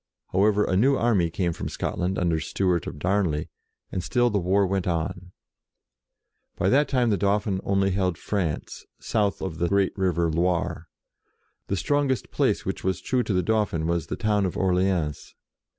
However, a new army came from Scotland, under Stewart of Darn ley, and still the war went on. By that time the Dauphin only held France 16 JOAN OF ARC south of the great river Loire. The strongest place which was true to the Dauphin was the town of Orleans.